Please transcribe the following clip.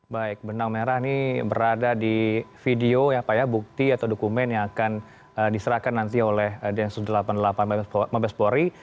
baik benang merah ini berada di video ya pak ya bukti atau dokumen yang akan diserahkan nanti oleh densus delapan puluh delapan mabespori